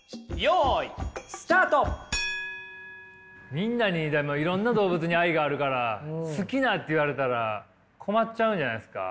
みんなにでもいろんな動物に愛があるから好きなって言われたら困っちゃうんじゃないですか？